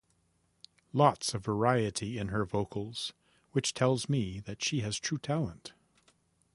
Lots of variety in her vocals, which tells me she has true talent.